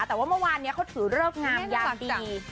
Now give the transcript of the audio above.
แต่ว่าเมื่อวานนี้เขาถือเลิกงามยามดี